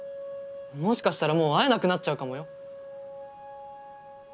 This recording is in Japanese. もしかしたらもう会えなくなっちゃうかもよ。